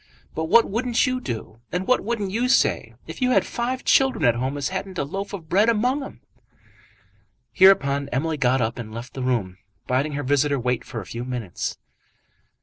But what wouldn't you do, and what wouldn't you say, if you had five children at home as hadn't a loaf of bread among 'em?" Hereupon Emily got up and left the room, bidding her visitor wait for a few minutes.